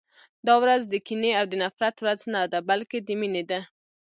دا ورځ د کینې او د نفرت ورځ نه ده، بلکې د مینې ده.